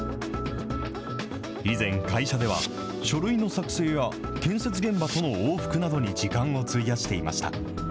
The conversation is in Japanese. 以前、会社では書類の作成や建設現場との往復などに時間を費やしていました。